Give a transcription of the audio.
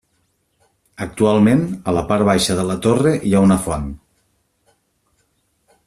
Actualment, a la part baixa de la torre hi ha una font.